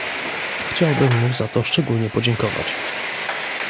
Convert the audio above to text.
Chciałbym mu za to szczególnie podziękować